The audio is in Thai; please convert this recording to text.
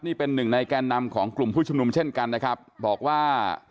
นี่เป็นหนึ่งในแกนนำของกลุ่มผู้ชุมนุมเช่นกันนะครับบอกว่า